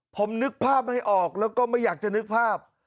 ผมนึกภาพไม่ออกแล้วก็ไม่อยากจะนึกภาพ